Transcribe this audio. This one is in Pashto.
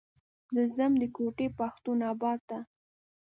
زه ځم د کوتي پښتون اباد ته.